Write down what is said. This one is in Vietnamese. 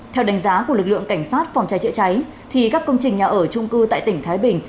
theo đánh giá của lực lượng cảnh sát phòng cháy chữa cháy các công trình nhà ở trung cư tại tỉnh thái bình